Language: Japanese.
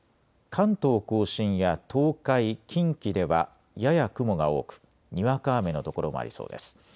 関東甲信や東海、近畿ではやや雲が多くにわか雨の所もありそうです。